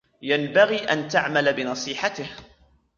ينبغي أن تعمل بنصيحته.